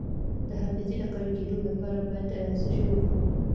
د حافظې د قوي کیدو لپاره باید څه شی وخورم؟